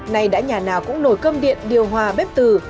nay đã nhà nào cũng nổi cơm điện điều hòa bếp tử